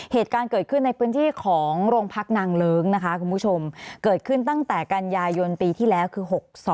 เหตุการณ์เกิดขึ้นในพื้นที่ของโรงพักนางเลิ้งนะคะคุณผู้ชมเกิดขึ้นตั้งแต่กันยายนปีที่แล้วคือ๖๒